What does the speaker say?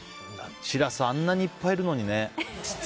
シラスあんなにいっぱいいるのにね。